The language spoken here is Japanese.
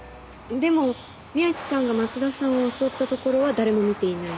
でも宮地さんが松田さんを襲ったところは誰も見ていない。